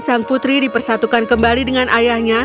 sang putri dipersatukan kembali dengan ayahnya